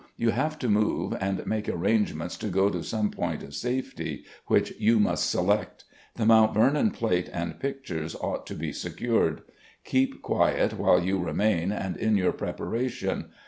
You have to move and make arrangements to go to some point of safety, which you must select. The Mount Vernon plate and pictures ought to be secured. Keep quiet while you remain and in your preparation.